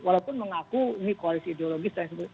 walaupun mengaku ini koalisi ideologis dan sebagainya